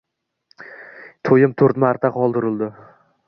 To‘yim to‘rt marta qoldirildi